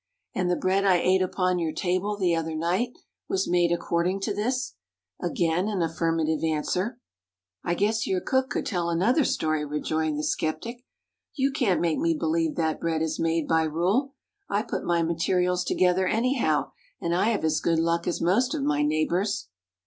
"And the bread I ate upon your table, the other night, was made according to this?" Again an affirmative answer. "I guess your cook could tell another story," rejoined the skeptic. "You can't make me believe that bread is made by rule. I put my materials together anyhow, and I have as good luck as most of my neighbors."